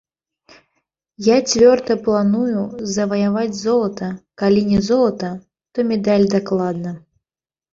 Я цвёрда планую заваяваць золата, калі не золата, то медаль дакладна.